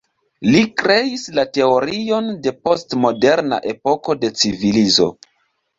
Li kreis la teorion de post-moderna epoko de civilizo.